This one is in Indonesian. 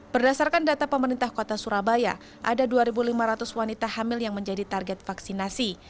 berdasarkan data pemerintah kota surabaya ada dua lima ratus wanita hamil yang menjadi target vaksinasi